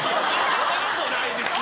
そんなことないです。